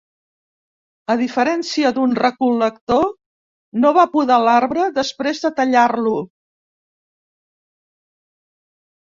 A diferència d'un recol·lector, no va podar l'arbre després de tallar-lo.